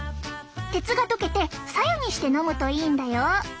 鉄が溶けてさ湯にして飲むといいんだよ！